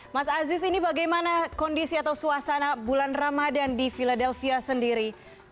mas aziz ini bagaimana kondisi atau suasana bulan ramadan di philadelphia sendiri